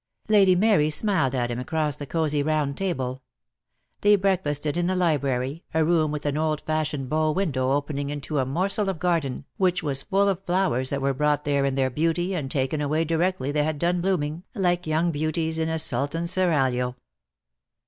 Lady Mary smiled at him across the cosy round table. They breakfasted in the library, a room with an old fashioned bow window opening into a morsel of garden, which was full of flowers that were brought there in their beauty and taken away directly they had done blooming, like young beauties in a Sultan's seraglio.